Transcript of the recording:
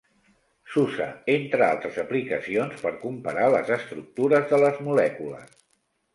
S'usa, entre altres aplicacions, per comparar les estructures de les molècules.